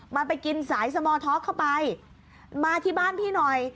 มันไปกินสายสมอร์ท็อกเข้าไปมาที่บ้านพี่หน่อย